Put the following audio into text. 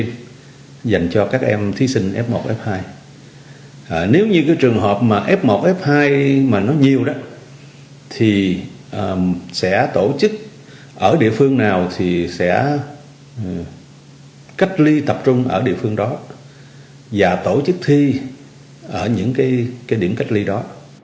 trường hợp có thí sinh f một địa phương đã chuẩn bị địa điểm cách ly và sẽ đưa thí sinh f một tập trung và tổ chức thi ở những địa điểm cách ly đó